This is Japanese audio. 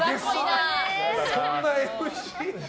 そんなＭＣ。